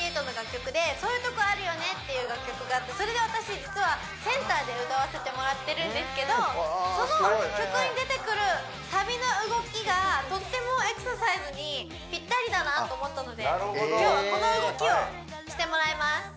ＳＫＥ４８の楽曲で「ソーユートコあるよね？」っていう楽曲があってそれで私実はセンターで歌わせてもらってるんですけどその曲に出てくるサビの動きがとってもエクササイズにピッタリだなと思ったので今日はこの動きをしてもらいます